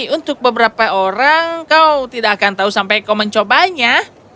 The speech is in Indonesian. untuk beberapa orang kau tidak akan tahu sampai kau mencobanya